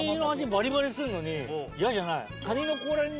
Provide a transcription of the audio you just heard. バリバリするのに嫌じゃない。